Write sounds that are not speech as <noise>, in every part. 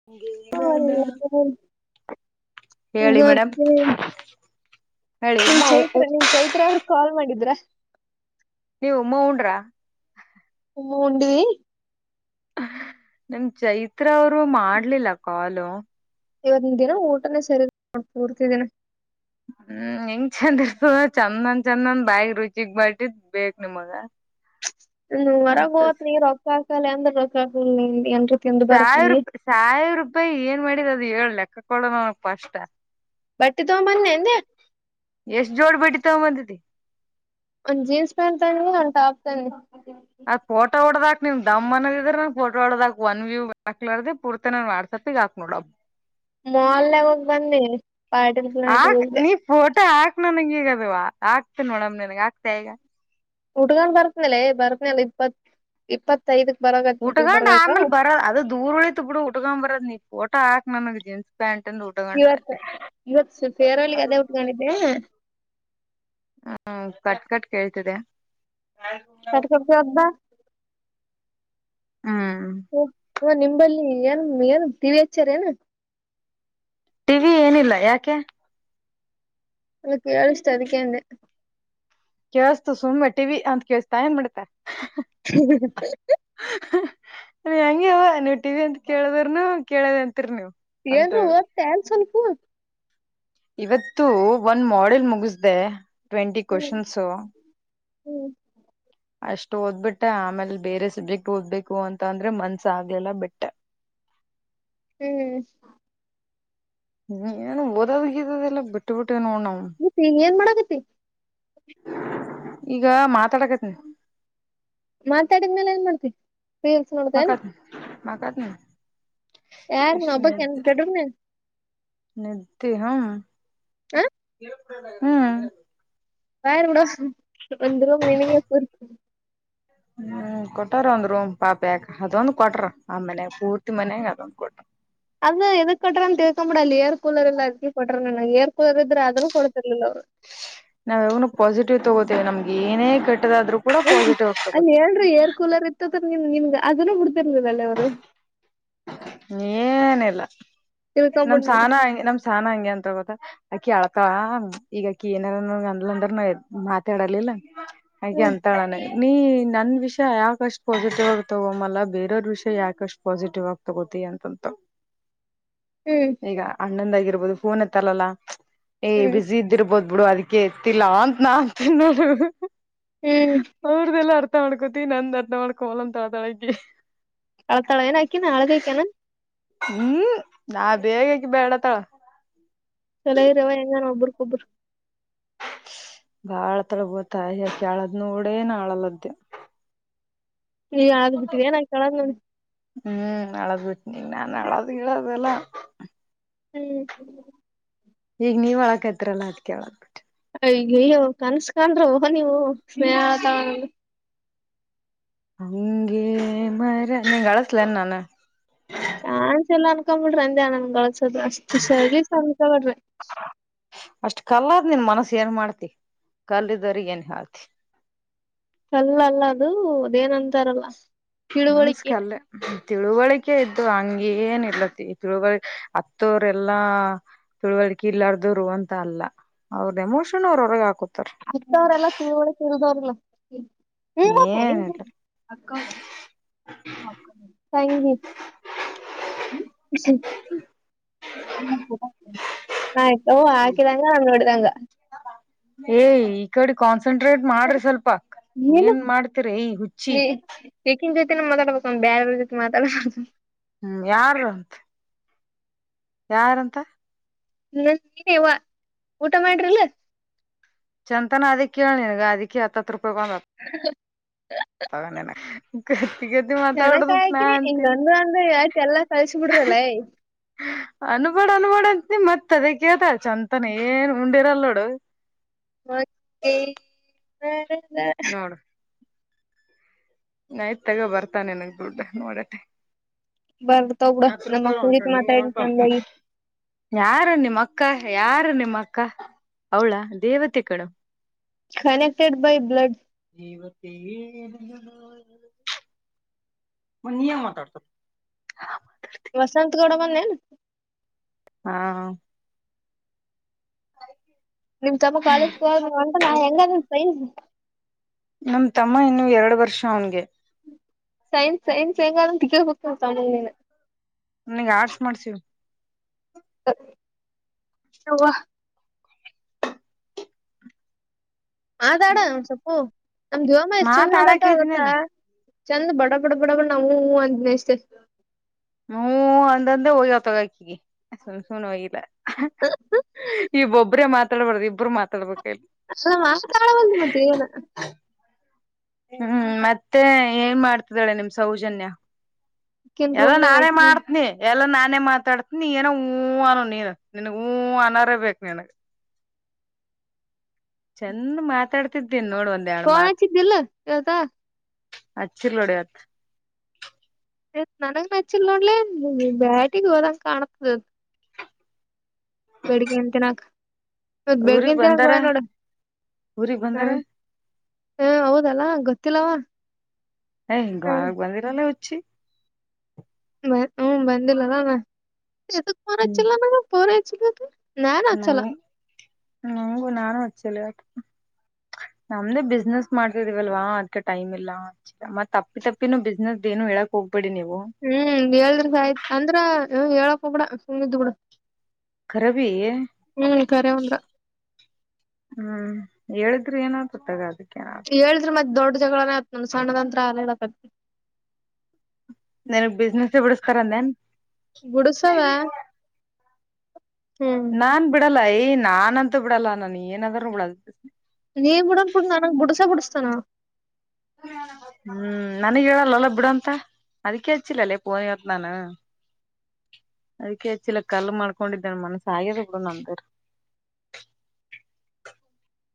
ಹ <unintelligible> ಹತ್ತೆ ಮೇಡಮ್ <unintelligible> ಹೇಳಿ ನಿಮ್ ಉಮ್ಮ ಚೈತ್ರ ಚೈತ್ರ ಅವ ಕಾಲ್ ಮಾಡಿದ್ರಾ ನೀವುಮ್ಮ ಉಂಡ್ರಾ. ಮು- ಉಂಡಿ ನಮ್ ಚೈತ್ರ ಅವರು ಮಾಡ್ಲಿಲ್ಲ ಕಾಲು. ಇವಂದ್ ದಿನ ಊಟನೇ ಸೇ <unintelligible> ಪೂರ್ತ ದಿನ ಹು- ಹೆಂಗ್ ಚಂದ ಇರ್ತದ ಚಂದಂದ ಚಂದಂದ ಬಾಯ ರುಚಿಗ್ ಮಾಡಿದ್ ಬೇಕ್ ನಿಮಗ. <unintelligible> <inaudible> ಹೊರಗ್ ಅಂತ ಹೋತ್- ರೀ- ರೊಕ್ಕ ಹಾಕಲ್ಲ ಎಂದ್ರ ರೊಕ್ಕ ಹಾಕುವ ನೀ ಎಂದ. ಸಾವಿರ ರೂಪ್ ಸಾವಿರ ರೂಪಾಯಿ ಏನ್ ಮಾಡಿದ ಅದು ಹೇಳ ಲೆಕ್ಕ ಕೊಡ ನನಗ ಫಸ್ಟ. ಬಟ್ಟಿ ತಗೊಬದ್ನಿ ಅಂದೆ. ಎಷ್ಟ್ ಜೋಡ್ ಬಟ್ಟಿ ತಗಬಂದಿದ್ದಿ. ಒಂದ್ ಜೀನ್ಸ್ ಪ್ಯಾಂಟ್ ತದ್ನಿ ಒಂದ್ ಟಾಪ್ ತದ್ನಿ. ಅದ್ ಪೋಟೋ ಹೊಡದ ಹಾಕ ನಿನ್ ಧಮ್ ಅನ್ನದ ಇದ್ರ ನನ್ ಪೋಟೋ ಹೋಡದಾಕ್ ಒನ್ ವ್ಯೂ ಹಾಕಲಾರದೆ ಪೂರ್ತಿ ನಾನ <unintelligible> ಸತ್ತಿಗ ಹಾಕ್ ನೋಡ್ಲಾ. ಮಾಲನ್ಯಾಗ ಹೋಗ ಬನ್ನಿ ವಾಟರ್ ಪ್ಯಾಂಟಗ <unintelligible> ಹಾಕ್ ಹೋಗಿದ್ದೆ. ನೀ ಫೋಟೋ ಹಾಕ್ ನನಗ ಈಗ ಅದುವಾ ಆಕ್ತನ ನೋಡ ಒಮ್ಮ ನಿನಗ ಆಗ್ತೆ ಈಗ. ಉಡ್ಕೊಂಡ್ ಬರ್ತ್ನೇಲೆ ಬರ್ತ್ನಲ್ಲ ಇಪ್ಪತ್ ಇಪ್ಪತ್ತೈದಕ್ ಬರಕಹತ್ತನಿ ಉಟ್ಕೊಂಡ್ ಗುಲ್ಬರ್ಗಕ. ಆಮೇಲ್ ಅದು ದೂರ ಉಳಿತ್. ಬಿಡು ಉಕಂ ಬರದ ನೀ ಫೋಟೋ ಹಾಕ್ ನನಗ ಜೀನ್ಸ್. ಪ್ಯಾಂಟನ್ ಉಡ್. ಇವತ್ ಇವತ್ ಫೇರವೇಲ್ಲಿಗೆ ಅದೇ ಉಟ್ಕೊಂಡಿದ್ದೆ. ಹ ಕಟ್ ಕಟ್ ಕೇಳ್ತಿದೆ. ಕಟ್ ಕೊಡತಿವ ಅಂತ ಬಾ. <unintelligible> ಹ್ಮ ಹ ಹ ನಿಂಬಲ್ಲಿ ಏನ್ ಏನ ಟಿವಿ ಹಚ್ಚಾರ ಏನ ಟಿವಿ ಏನಿಲ್ಲ ಯಾಕೆ ಅ ಕೇಳಿಷ್ಟ ಅದಕ್ಕೆಂದೆ. ಕೇಳಸ್ತು ಸುಮ್ಮನ ಟಿವಿ ಅಂತ ಕೇಳಸ್ತ ಏನ್ ಮಾಡಡ್ತ. ಹ ನೀ ಹೆಂಗೆವ ನೀವು ಟಿವಿ ಅಂತ ಕೇಳದ್ರನು ಕೇಳದ ಅಂತಿರಿ ನೀವು. ಅಂತ ಏನ್ರ ಓದತ್ತಿಯಾನ ಸ್ವಲ್ಪು. ಇವತ್ತು ಒನ್ ಮಾಡೆಲ್ ಮುಗಿಸ್ದೆ ಟ್ವೆಂಟಿ ಕೋಶನಸ್ತು ಹ್ಮ ಅಷ್ಟು ಓದ್ಬಿಟ್ಟ ಆಮೇಲೆ ಬೇರೆ ಸಬ್ಜೆಕ್ಟ್ ಓದ್ಬೇಕು ಅಂತ ಅಂದ್ರೆ ಮನ್ಸ್ ಆಗ್ಲೆಲ್ಲ ಬಿಟ್ಟೆ ಹ್ಮ್ ಹ್ಮ್ ಏನು ಓದೂದ ಗಿದೂದ ಎಲ್ಲಾ ಬಿಟ್ಟು ಬಿಟ್ಟೇ ನೋಡ ನಾವು ಏನ್ ಮಾಡಕತಿ ಈಗ ಮಾತಾಡಕತನ ಮಾತಾಡಿದ್ಮೇಲೆ ಏನ್ ಮಾಡ್ತತಿ ಮಕಾತಿನಿ ಮಕತಿನಿ ಮಕತ್ ಯಾರ್ ಒಬ್ಬಾಕಿ ಬಷ್ಟು ಬೆಡ್ರೂಮ್ನ್ಯಾಗ ನಿದ್ದಿ ಹ್ಮ ಹ ಆ ಹ್ಮ್ ಬ್ಯಾಡ ಬಿಡೋ ಬಂದಿರೋದ ನಿಂಗ್ಯಾಕ್ ಹ್ಮ್ ಕೊಟಾರ ಒಂದ್ ರೂ ಪಾಪ ಯಾಕ ಅದೊಂದು ಕೊಟ್ರ ಆ ಮನ್ಯಾಗ ಪೂರ್ತಿ ಮನ್ಯಾಗ ಅದೊಂದ್ ಕೊಟ್ರ ಅದ ಎದಕ್ ಕೊಟ್ರ ಅಂತ ತಿಳ್ಕೊಂಡ ಬಿಡ ಅಲ್ಲಿ ಏರ್ ಕೂಲರ್ ಎಲ್ಲ ಅದಿ ಕೊಟ್ರೆ ನನ ಏರಕೂಲರ್ ಇದ್ರ ಆದನು ಕೊಡ್ತಿರಲಿಲ್ಲ ಅವರ ನಾವ ಯಾವಾಗನ ಪಾಸಿಟಿವ್ ತಗೋತೇವಿ ನಮ್ಗೆ ಏನೇ ಕೆಟ್ಟದಾದ್ರು ಅಲ್ಲಿ ಹೇಳ್ರಿ ಏರ್ ಕೂಲರ್ ಇತ್ತದ ನಿ ನಿಮಗ ಅದನ್ನು ಬಿಡ್ತಿರ್ಲಿಲ್ಲ ಅಲ್ಲ ಅವರು ಏನಿಲ್ಲ ನಮ ತಿಳ್ಕೊಂಬಿಡ್ ನೀನ್ ಸಾನ ಹಂ ನಮ ಸಾನ ಹಂಗೆ ಅಂತ ಗೊತ್ತ ಅಕಿ ಅಳ್ಕಳ ಈಗಾಕಿ ಏನಾರ ಅಂದ ಅಂದ್ರ ನ ಮಾತಾಡಲಿಲ್ಲ ಹಾಗೆ ಹ್ಮ್ ಅಂತಳಾನ ನೀ ನನ್ ವಿಷಯ ಯಾಕಷ್ಟು ಪಾಸಿಟಿವ್ ಆಗ್ತವ ಅಲ್ಲ ಬೇರವ್ರ ವಿಷಯ ಯಾಕಷ್ಟ ಪಾಸಿಟಿವ್ ಆಗ್ತದೆ ತಗೋತಯ ಅಂತಂತ ಹ್ಮ್ ಈಗ ಅಣ್ಣಂದಗಿರಬಹುದು ಫೋನ್ ಎತ್ತಲ್ಲಲ್ಲಾ ಏ ಹ್ಮ್ ಬಸ ಿರ್ಬೋದ್ ಬಿಡು ಅದಕ್ಕೆ ಎತ್ತಿಲ್ಲ ಅಂತ ನ ಅಂತ ನೋ ಹ್ಮ್ ಅವ್ರ್ದಲ್ಲ ಅರ್ಥ ಮಾಡ್ಕೋತಿ ನಂದ್ ಅರ್ಥ ಮಾಡ್ಕೊಲ ಅಂತಳಗೆ ಕಳತಳಏ ಹಾಕಿನಾ ಹಳದಕ್ಯನನ್ ಹ್ಮ್ ನಾ ಬೇಗಕ್ಕೆ ಬೇಡತ್ತಳ ಚಲ ಇರ ಹೆಂಗ ಒಬ್ಬ್ರಕ್ೊಬ್ಬರು ಬಾಳ್ ತಲ ಬೋತ ಯಾಕಳದ್ ನೋಡೇನ್ ಆಳಲದ್ದೆ ನೀ್ ಬಿಟ್ಟ್ರ ನಾ ಕಳ ನೋ ಹ್ಮ್ ಅಳದ್ ಬಿಟ್ಟನ ನಾನ್ ಅಳದ್ ಗಿಡ ಅದೆಲ್ಲ ಹ್ಮ್ ಈಗ ನೀವ ಅಳಕಐತ್ರರಲ್ಲ ಅದ್ಕ್ಕೆ ಅಳಗ್ ಅಯ ಅಯ್ಯೋ ಕನ್ಸ್ಕಂದ್ರ ನೀವು ಸ್ನೇಹ ಹಂಗೇ ಮರ ನೀ ಕಳಸಲ ನಾನು ಚಾನ್ಸ ಎಲ್ಲ ಅನ್ಕೊ್ ಬಿಡ್ರಿ ಅಜ ನನ್ಗಳಸೋದು ಅಷ್ಟು ಸರಿ ಸನ್ಕಬಡ್ರಿ ಅಷ್ಟ್ ಕಲ್ಲಾದ್ ನಿನ್ ಮನಸ್ಸ ಏನ್ ಮಾಡ್ತಿ ಕಲ್ಲಿದ್ರ ಏನ್ ಹಾಳ್ತಿ ಕಲ್ಲಲ್ಲ ಅದು ಅದೇನಂತಾರಲ್ಲ ತಿಳುವಳಿಕೆ ಮನಸ್ಕಲ್ಲ ತಿಳುವಳಿಕೆ ಇದ್ದು ಹಂಗೇಏನ ಇರ್ಲತ್ತ ತಿಳುವಳಿಕೆ ಹತ್ತವರೆೆಲ್ಲಾ ತಿಳುವಳಿಕೆ ಇಲ್ಲಾರ್ದರು ಅಂತ ಅಲ್ಲ ಅವ್ರದ ಎಮೋಷನ್ ಅವ್ರ ಅವ್ರಗೆ ಹಾಕತಾರ ಅಕ್ಕವ್ರಲ್ಲಾ ತಿಳುವಳ ತಿಳಿದವ್ರಲ್ಲ ಏನಿಲ್ಲ ಸ <unintelligible> ಆಯ್ತ ಹಾಕಿದಂಗ ನೋಡಿದಂಗ ಏ ಈ ಕಡೆ ಕಾನ್ಸಂಟ್ರೇಟ್ ಮಾಡ್ರಿ ಸ್ವಲ್ಪ ಏನ್ ಮಾಡ್ತಿರ ಯ ಹುಚ್ಚಿ ಯಕಿನ ಜೊತೆ ನಮ್ ಮಾತಾಡ್ಬೇಕು ನ್ ಬೇಾರ ಅವ್ರ ಜೊತೆ ಮಾತಾಡದು ಹ್ಮ್ ಯಾರು ಅಂತ ಯಾರಂತ ಇ ನೀ ಊಟ ಮಾಡ್ರಿಲ್ಲ ಚಂತನ ಅದಕ್ಕೆ ಕೇಳಿನ್ಗ ಅದಕ್ಕೆ ಹತ್ತು ರೂಪಾಯಿ ಒ <inaudible> ತಗನ ಕತಿಿ ಕತಿಿ ಮಾತಾ ದನ ಆಡತ ನ ಕಾಯಕಿನಿ ಅತ ಹಿಂಗ್ ಅಂದ್ರ ಅಂದ್ರ ಎಟ್ ಎಲ್ಲಾ ಕಳ್ಸಿ ಬಿಡ್ರಲ್ಲ ಅನ್ಬಡ್ ಅನ್ಬಾಡ್ ಅಂತ ನಿ ಮತ್ ಅದ ಕೇಳ್ತ ಚಂತಾನ ಏನ್ ಉಂಡಿರಲ್ ನೋಡು ಮತ್ತತ್ತೆ ನೋಡು ನೈತ್ ತಗೋ ಬರ್ತಾೆ ನನಗ್ ದುಡ್ಡ ನೋಡತ್ತೆ ಬರ್ ತಗಡ ನಮ್ಮ ಮಕ್ಕಳ ಜೀತೆ ಮಾತಾಡ್ತಿ ಚಂದಾಗಿ ಯಾರು ನಿಮ್ಮ ಅಕ್ಕ ಯಾರು ನಿಮ್ಮ ಅಕ್ಕ ಅವಳಾ ದೇವತೆ ಕಣು ಕನೆಕ್ಟೆಡ್ ಬೈ ಬ್ಲಡ್ ಇವತ್ತೇ ಮ್ ನಿಯಮ ಮಾತಾಡ್ತ ವಸಂತತ್ಗೌಡ ಬಂದನು ಹಾ ನಿಮ್ ತಮ್ಮ ಕಾಲೇಜ್ಗೆ ಹೋಗಂಟ ನಾ ಹೆಂಗ ಸೈ ನಮ ತಮ್ಮ ಇನ್ನು ಎರಡು ವರ್ಷ ಅವನ್ಗೆ ಸೈನ್ಸ್ ಸೈನ್ಸ್ ಎಂಗಾಲ ದಿಕ್ಕಾ ಪಕ್ಕ ತಮ್ಮನೆ ನನ್ಗ್ ಆರ್ಟ್ಸ್ ಮಾಡ್ಸ್ ಯ ಅಾಡ ಒಂದ್ ಸೊಪ್ಪು ನಮ್ ದೀವಮ್ಮ ಎಷ್ಟ್ ಚಂದ ಮಾತಾಡ್ತ ಮಾತಾಡಕೈತ್ನಲ್ಲ ಆಗತ್ತಾ ಚಂದ ಬಡ ಬಡ ಬಡ ಬಡ ನಾೂ ಅ್ೆ ಇಷ್ಟೇ ಹ ಅಂದಂದೆ ಹೋಗ್ಯ ತಗಾಕಿಗೆ ಸುಮ್ ಸುನ್ ಹೋಗಿಲ್ಲ ಇಬೊಬ್ಬ್ರೇ ಮಾತಾಡ್ಬಾರ್ದು ಇಬ್ಬರು ಮಾತಾಡ್ಬೇಕ ಇಲ್ಲಿ ಅಲ್ಲಾ ಮತ್ತೆ ಲ್ಲ ಹ್ಮ್ ಮತ್ತೆ ಏನ್ ಮಾಡ್ತಿದಾಳೆ ನಿಮ್ ಸೌಜನ್ಯ ಅಕಿನ್ ಎಲ್ಲ ರೂಮ್ನಾಗ ನಾನೇ ಅಕಿ ಮಾಡ್ತನಿ ಎಲ್ಲ ನಾನೇ ಮಾತಾಡ್ತೀನಿ ಏನೋ ಹೂ ಅನು ನೀನು ನನ್ಗ್ ಹೂ ಅನೋಾರೇ ಬೇಕು ನನ್ಗೆ ಚಂದ್ ಮಾತಾಡ್ತಿದ್ದೀನ್ಿ ನೋಡ್ ಒಂದ ಪನ ಚಿದ್ದಲ್ಲ ಯ ಅಚ್ಚಿ ಲೋಡೆಯತ್ ನನಗೆ ನಚ್ಚಿಲ್ಲಳ್ಳೆ ಬ್ಯಾಟಿಗೆ ಹೋದಂ ಕಾಣತದೆ ಬೆಡಗ್ಗೆ ಎಂತ ನಾಕ ಮದ್ ಊರಿಗ್ ಬೆಳ್ಗ್ಗಂತ ಹಗುವ ಬಂದಾರ ನೋಡ ಊರಿಗ್ ಹಾ ಬಂದಾರ ಹಾ ಹೌದಲ್ಲಾ ಗೊತ್ತಿಲ್ಲವಾ ಹ ಗಾಾಯ ಮಂದಿರನೇ ಹಚ್ಚಿ ಬ ಹ್ಮ್ ಬಂದಿಲ್ಲಲಣ ಎರಿಲ್ಲರ ನ ನಂಗು ನಾನು ಹಚ್ಚಿಲ್ಲ ಆ ನಮ್ದೇ ಬಿಸ್ನೆಸ್ ಮಾಡ್ತಿದೀವಲ್ವಾ ಅದ್ಕ ಟೈಮ್ ಇಲ್ಲ ಮತ್ ತಪ್ಪಿ ತಪ್ಪಿನ ಬಿಸ್ನೆಸ್ ಏನು ಹೇಳಕ್ ಹೋಗ್ಬೇಡಿ ನೀವು ಹ್ಮ್ ಹೇಳದ್ರ ಆಯ್ತು ಅಂದ್ರ ಹೇಳಕ ಹ ಬಿಡ ಸುಮಿದ್ದ್ ಕೂಡ ಕರಬಿ ಹ್ಮ್ ಕರೆ ಅಂದ್ರ ಹ್ಮ್ ಹೇಳಿದ್ರು ಏನಾದೂ ತಗ ಅದಕ್ಕೆು ಹೇಳ್ರಿ ಮತ್ ದೊಡ್ಡ ಜಗಳೇತ್ ಸಣ್ಣ ಅಂತ್ರಕತಿ ನನ್ಗ್ ಬಿಸ್ನೆಸ್ ಬಿಡಿಸಸ್ತಾರ ನೇನ್ ಗುಡಸಾವ ನಾನ್ ಬಿಡಲ್ಲ ಯ್ ನಾನ್ ಅಂತ ಬಿಡಲ್ಲ ನನ್ ಏನಾದ್ೂ ಬಿಡ ನೀೇನು ಬಿುಡನ್ ಪುಡ ನನ ಬುಡಸ ಬುಡ್ತಾನನಾ ಹ್ಮ್ ನನಗ ಹೇಳಲ್ಲಲ್ಲ ಬಿಡಂತ ಅದಕ್ಕೆೇಚ್ಚಿಲ್ಲಲ್ಲೇ ಪೋನವತ್ತು ನಾನು ಅದಕ್ಕೆ ಹೆಚ್ಚಿಲ್ಲ ಕಲ್ಲು ಮಾಡ್ಕೊಂಡಿದ್ದಾನ ಮನಸ ಆಗ್ಯದ ನಂದರ್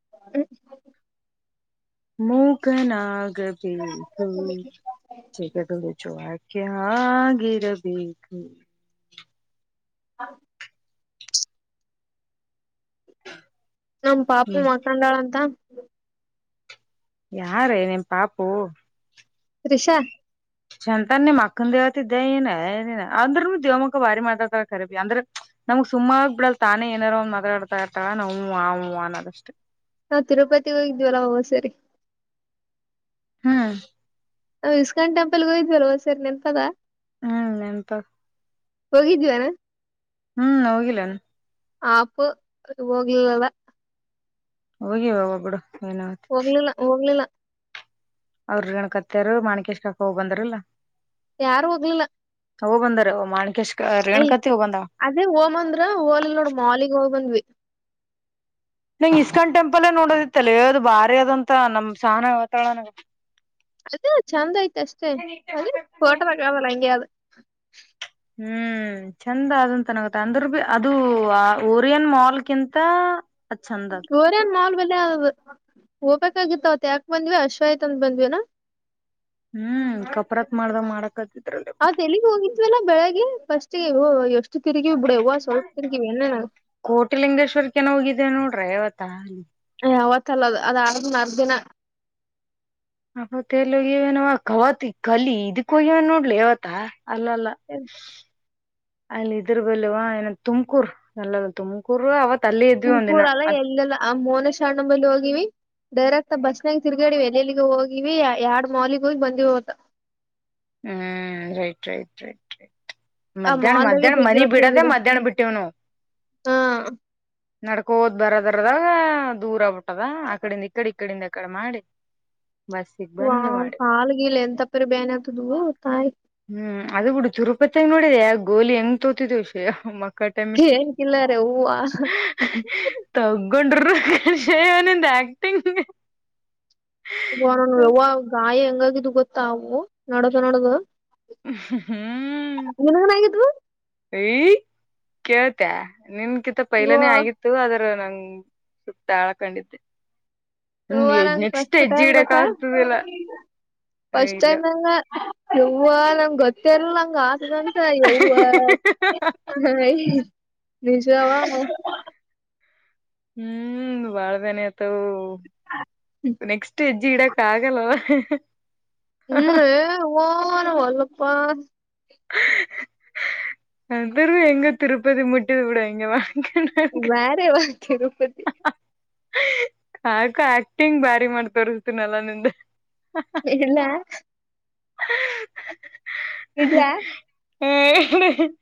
ಹ ಮೂಕನಾಗಬೇಕಹು ೆ ತ ಚೋಕೆ ಹಾಗಾಗಿಿರಬೇಕು ನಮ ಪಾಪ ಮಾಕಂಡಾಳಂತ ಯಾರ ನಿಮ್ಮ ಪಾಪು ರಿಷಾ ಶಂತನ್ ಮಾಕ್ಕನ್ ದೇವತಿ ದ ಅಂದ್ರನು ದೇವ ಮಕ್ಕ ಬಾರಿ ಮಾಡ್ತತರಖರಬ ಅಂದ್ರೆ ನಮಗ್ಗೆ ಸುಮ್ಮಾಗ ಬಿಡಲ್ ತಾನೇ ಏನಾರ ಒ್ ಮಾತಾಡ್ತಾ ಇರ್ತಾಳ ನ್ ಆ ಅನ್ನೋದಷ್ಟು ನಾ ತಿರುಪತಿ ಹೋಗಿದ್ವಲ್ಲ ಸರಿ ಹ್ಮ್ ನಾವು ಇಸ್ಕಾನ್ ಟೆಂಪಲ್ೂ ಇದ್ಲ್ ಸೇರಿೆಂತದ ಹ್ಮ್ ನೆನಪ ಹೋಗಿದವಾನ ಹ್ಮ್ ಹೋಗಿಲ್ಲ ಆಪು ಹೋಗ್ಲಿಲ್ಲವಲ್ಲ. ಹೋಗಿವವ್ವ ಬಿಡ ಏನುನ ಹೋಗ್ಲಿಲ್ಲ ಹೋಗ್ಲಿಲ್ಲ. ಅವ್ರರು ಹೇಳಕತ್ತೀರು ಮಾಣಿಕೇಶ್ಕ ಹೋಗ್ ಬಂದ್ರಲ್ಲ. ಯಾರು ಹೋಗ್ಲಿಲ್ಲ. ಹೋಗಿಬಂದಾರವ್ವ ಮಾಣಕೇಶ್ಕ ಅಯ್ ರೇಣುಕತ್ತಿ ಹೋಗಿಬಂದಳ. ಅದೇ ಹೋಗಂದ್ರ ಹೋಲಿಲ್ಲ ನೋಡ ಮಾಲಿಗಿ ಹೋಗ್ ಬಂದ್ವಿ. ನನಗ ಇಸ್ಕಾನ್ ಟೆಂಪಲ್ಲೇ ನೋಡೋದಿತ್ತಲದು ಬಾರಿ ಅದಂತ ನಮ್ ಸಹಾನ ಹೇಳುತ್ತಾಳ ನನಗ. ಅದೇ ಚಂದ ಯ್ತ ಅಷ್ಟೇ ಅದೆ ಫೋಟೋ ಆದಲ್ಲ ಹಂಗೆ ಆದ ಹ್ಮ್ ಚಂದ ಅದಂತನಗತ್ತೆ ಅಂದ್ರ ಬಿ ಅದು ಓರಿಯನ್ ಮಾಲ್ಗಿಂತ ಅಛಂದದ ಜೋರೇನ್ ಮಾಲ್ ಬಲ್ಲೇ ಆದ ಹೋಗ್ಬೇಕಾಗಿತ್ತು ಅವತ ಯಾಕ ಬಂದ್ವಿ ಹಸುಆಯ್ತ್ಅಂತ ಬಂದ್ವಿನಾ ಹ್ಮ್ ಕಪರಾತ್ ಮಾಡ್ದ ಮಾಡಕತ್ತಿದ್ರಲ್ಲ ಅವತ್ತ ಎಲ್ಲಿಗೆ ಹೋಗಿದ್ವಲ್ಲ ಬೆಳಗ್ಗೆ ಫಸ್ಟ್ ಎಷ್ಟು ತಿರುಗಿವಿ ಬಿಡ್ ಯಾವ್ವ ಸ್ವಲ್ಪ ತಿರ್ಗಿವಿ ಎನ್ನ. ಕೋಟಿಲಿಂಗೇಶ್ವರ್ಕನ ಹೋಗಿದ್ದೇ ನೋಡ್ರಿ ಇವತ್ತ ಅವತ್ತಲ್ಲ ಅದು ಆದ್ ಮರ್ ದಿನ ಆತ್ತ ಎಲ್ಲೊಗವನವ ಕವಾತ್ ಕಲಿ ಇದಕ್ಕೋಗ್ಯವನ್ ನೋಡ್ಲಿ ಯವತ್ತ ಅಲ್ಲಲ್ಲ ಹ್ಮ ಅಲ್ಲಿ ಇದ್ರ ಬಲ್ಲವಾ ಏನ ತುಮಕೂರ್ ಎಲ್ಲ ಗೊತ್ತ ತುಮಕೂರು ಅವತ್ ಅಲ್ಲಿ ಇದ್ವಿ ಒಂದಿನ ಅ ಇನೊಂದು ಅ ಮೊನೇಶ್ ಸಣ್ಣ ಮಲಿ ಹೋಗಿವಿ ಡೈರೆಕ್ಟ್ ಬಸ್ನಾಗ ತಿರ್ಗೇಡಿವಿ ಎಲೆ ಎಲ್ಲಿ ಹೋಗಿವಿ ಎರಡ್ ಮಾಲಗ್ ಹೋಗಿ ಬಂದಿವತ್ತ ಹ್ಮ್ ರೈಟ್ ರೈಟ್ ರೈಟ್ ರೈಟ್ ಆ ಮಧ್ಯಾಹ್ನ ಮಾಲ್ದಾಗೆ ಮಧ್ಯಾಹ್ನ ಜಗ್ಗಿ ಮನಿ ಹೊತ್ ಬಿಡದ ತಿರ್ಗಾಡಿವಿ ಮಧ್ಯಾಹ್ನ ಬಿಟ್ಟೇವ್ನು ಹಾ ನಡಕೋತ ಬರದರದಾಗ ದೂರ ಆಗ್ಬ ಬಿಟ್ಟದ ಆಕಡಿಂದ ಈಕಡೆ ಈಕಡಿಂದ ಆಕಡೆ ಮಾಡಿ ಬಸ್ಸಿಗ್ ಬಂದ್ ವಾವ್ ಮಾಡಿ ಕಾಲ್ಗಿಲ್ ಎಂತ ಪರಿ ಬ್ಯಾನಿ ಅತದವೋ ತಾಯಿ ತಾಯಿ. ಹ್ಮ್ ಅದ ಬಿಡು ತಿರುಪತಿಿಯಾಗ ನೋಡಿದೆ ಗೋಲಿ ಹೆಂಗ್ ತೋತಿದೆವಿ ಷ್ಯ ಕಟಮಿ. ಏನ್ ಕಿಲ್ಲರೆ ಯವ್ವಾ ತಗಗೊಂಡರುಷೇವನಂದ ಆಕ್ಟಿಂಗ್ ಬರಲ್ಲ ಯವ್ವ ಗಾಯ ಹೆಂಗಾಗಿದು ಗೊತ್ತ ಅವು ನಡ್ದ ನಡ್ದ. ಹ್ಮ ಆಗಿದ್ವು ಐ ಕೇಳ್ತ ನಿನ್ ಕಿಂತ ಯವ್ವಾ ಪೈಲನೆೇ ಆಗಿತ್ತು ಅದ್ರ ನಂಗ ಸುತ್ತ ಆಳ್ಕಂಡಿದ್ದೆ ಹ ನಂಗ ಫಸ್ಟ್ ಹೆಜ್ಜೆ ಟೈಮ್ ಇಡಕ್ ಗೊತ್ತ ಆಗ್ತದಿಲ್ಲ ಫಸ್ಟ್ ಇಲ್ಲ ಟೈಮ್ ನಂಗ ಯವ್ವ ನಂಗ ಗೊತ್ತೇಲ್ಲ ನಂಗ ಆಸದಂತ ಯವ್ವ ಹ ನಿಜ ಹ್ಮ್ ಬಾಳ್ ಬೇನೆ ಆಗ್ತವವು ನೆಕ್ಸ್ಟ್ ತೀಡಾ ಕಾಗಲ್ವಾ ಹ್ಮ್ ಹ್ಮ್ ಹಞನು ಏ ಹನು ಒಲ್ಲಪ್ಪಾ <unintelligible> ಅ ತರ ಎಂಗ ತಿರುಪತಿ ಮುಟ್ಟಿದ ಬಿಡ ಹೆಂಗ ಬ ಬೇರೆ ವಾ ತಿರೂಪತಿ ಕಾಕಾ ಆಕ್ಟಿಂಗ್ ಬಾರಿ ಮಾಡ್ ತೋರಿಸತೀನಲ್ಲ ನಿಂದ ಇಲ್ಲ <unintelligible>